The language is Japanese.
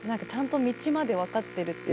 ちゃんと道まで分かってる。